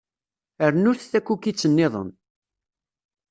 Rnut takukit-nniḍen.